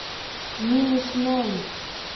Минэсмәйем.